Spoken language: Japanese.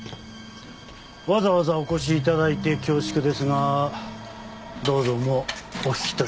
わざわざお越し頂いて恐縮ですがどうぞもうお引き取りを。